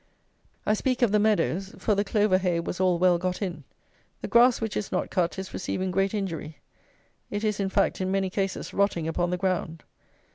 I speak of the meadows; for the clover hay was all well got in. The grass, which is not cut, is receiving great injury. It is, in fact, in many cases rotting upon the ground.